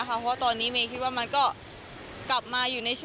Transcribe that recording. เพราะว่าตอนนี้เมย์คิดว่ามันก็กลับมาอยู่ในช่วง